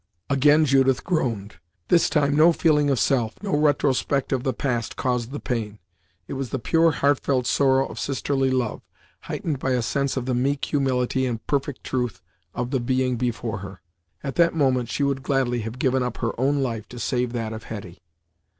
Again Judith groaned; this time no feeling of self, no retrospect of the past caused the pain. It was the pure, heartfelt sorrow of sisterly love, heightened by a sense of the meek humility and perfect truth of the being before her. At that moment, she would gladly have given up her own life to save that of Hetty.